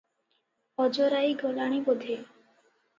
ଅଜରାଇ ଗଲାଣି ବୋଧେ ।